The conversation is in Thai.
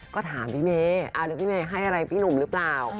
ก็ถามพี่เมย์หรือพี่เมย์ให้อะไรพี่หนุ่มหรือเปล่า